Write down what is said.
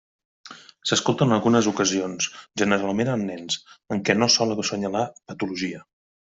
S'escolta en algunes ocasions, generalment en nens, en què no sol assenyalar patologia.